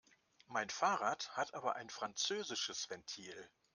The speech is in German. Mein Fahrrad hat aber ein französisches Ventil.